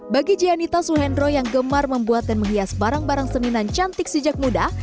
bagi gianita suhendro yang gemar membuat dan menghias barang barang senian cantik sejak muda